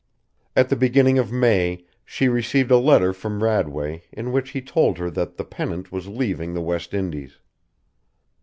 At the beginning of May she received a letter from Radway in which he told her that the Pennant was leaving the West Indies.